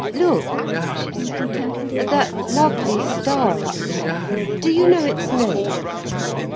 "Look," she said, "at that lovely star up there. Do you know its name?"